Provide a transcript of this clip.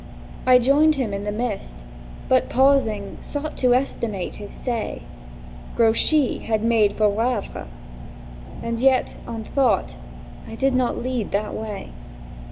I joined him in the mist; but, pausing, sought To estimate his say. Grouchy had made for Wavre; and yet, on thought, I did not lead that way.